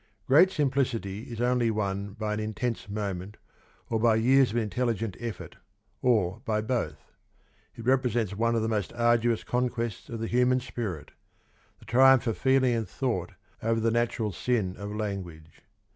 Great simplicity is only won by an intense moment or by years of intelligent effort, or by both. It represents one of the most arduous conquests of the human spirit: the triumph of feeling and thought over the natural sin of language.